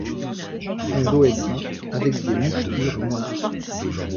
Son dos est brun avec des mouchetures noires.